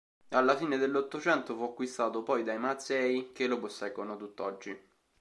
Alla fine dell'Ottocento fu acquistato poi dai Mazzei che lo posseggono tutt'oggi.